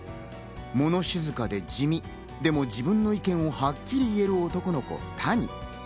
物静かで地味、でも自分の意見をはっきり言える男の子・谷。